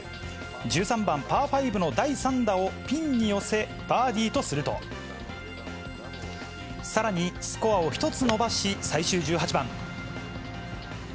１３番パーファイブの第３打をピンに寄せ、バーディーとすると、さらにスコアを１つ伸ばし、最終１８番。